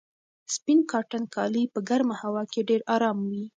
سپین کاټن کالي په ګرمه هوا کې ډېر ارام وي.